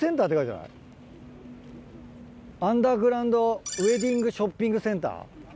アンダーグラウンドウエディングショッピングセンター。